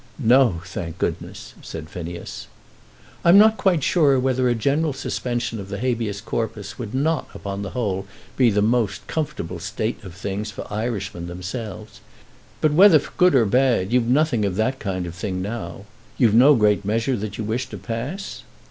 "No; thank goodness!" said Phineas. "I'm not quite sure whether a general suspension of the habeas corpus would not upon the whole be the most comfortable state of things for Irishmen themselves. But whether good or bad, you've nothing of that kind of thing now. You've no great measure that you wish to pass?"